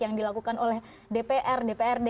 yang dilakukan oleh dpr dprd